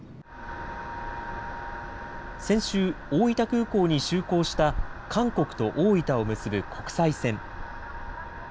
先週、大分空港に就航した韓国と大分を結ぶ国際線。